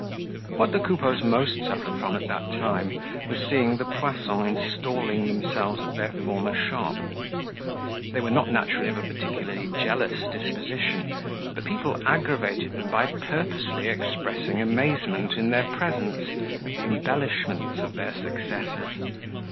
What the Coupeaus most suffered from at that time was seeing the Poissons installing themselves at their former shop. They were not naturally of a particularly jealous disposition, but people aggravated them by purposely expressing amazement in their presence at the embellishments of their successors.